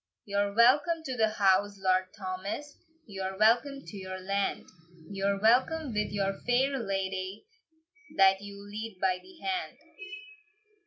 "You're welcome to your house, Lord Thomas, You're welcome to your land; You're welcome with your fair ladye, That you lead by the hand.